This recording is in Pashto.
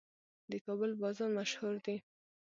د کابل بازان مشهور دي